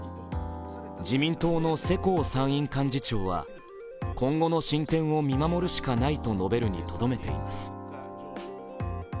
自民党の世耕参院幹事長は今後の進展を見守るしかないと述べるにとどめています。